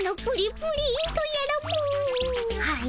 はい。